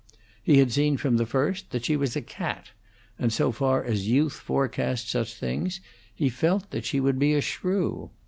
He had seen from the first that she was a cat, and so far as youth forecasts such things, he felt that she would be a shrew.